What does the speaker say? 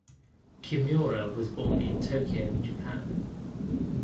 Kimura was born in Tokyo, Japan.